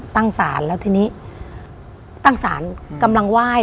ตั้งศาลแล้วทีนี้ตั้งศาลกำลังไหว้